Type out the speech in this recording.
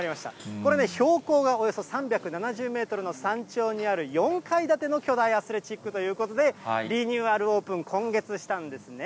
これね、標高がおよそ３７０メートルの山頂にある４階建ての巨大アスレチックということで、リニューアルオープン、今月したんですね。